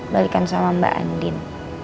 balikkan sama mbak andin